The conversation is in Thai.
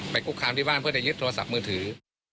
คุกคามที่บ้านเพื่อจะยึดโทรศัพท์มือถือ